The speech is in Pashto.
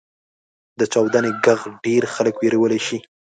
• د چاودنې ږغ ډېری خلک وېرولی شي.